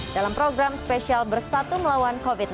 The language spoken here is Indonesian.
dalam program spesial bersatu melawan covid sembilan belas